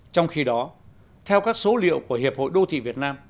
trong khi đó theo các số liệu của hiệp hội đô thị việt nam